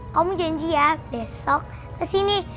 kamu janji ya besok kesini